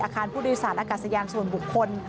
อาคารพุทธศาสตร์อากาศยานส่วนบุคคล